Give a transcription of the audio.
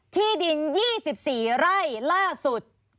ที่ดิน๒๔ไร่ล่าสุด